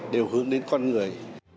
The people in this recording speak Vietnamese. đều hướng đến con người